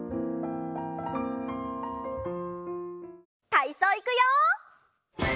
たいそういくよ！